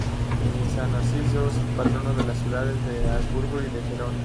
San Narciso es el patrono de las ciudades de Augsburgo y de Gerona.